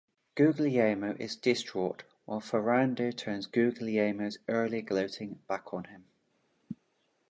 Guglielmo is distraught while Ferrando turns Guglielmo's earlier gloating back on him.